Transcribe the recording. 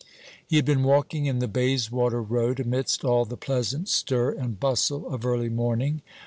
He had been walking in the Bayswater Road, amidst all the pleasant stir and bustle of early morning.